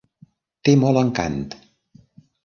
Té molt encant.